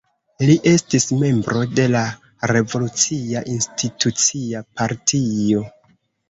Li estis membro de la Revolucia Institucia Partio.